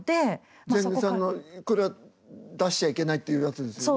ジェンヌさんのこれは出しちゃいけないっていうやつですよね？